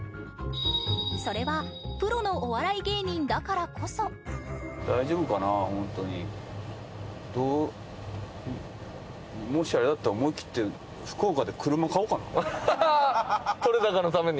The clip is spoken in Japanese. それはプロのお笑い芸人だからこそもしあれだったら思い切って撮れ高のために？